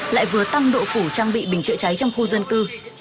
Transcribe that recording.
lại vừa tăng độ phủ trang bị bình chữa cháy trong khu dân cư